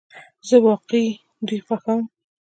زه واقعی دوی خوښوم